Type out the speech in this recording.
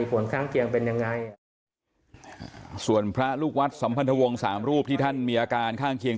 ผลข้างเคียงเป็นยังไงส่วนพระลูกวัดสัมพันธวงศ์สามรูปที่ท่านมีอาการข้างเคียง